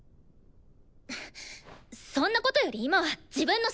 そんなことより今は自分の心配！